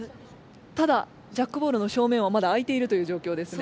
ただジャックボールの正面はまだあいているというじょうきょうですね。